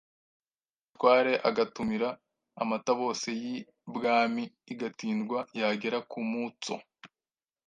Abatware agatumira amatabose y’ibwami igatindwa yagera ku Mutso